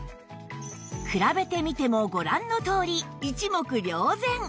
比べてみてもご覧のとおり一目瞭然！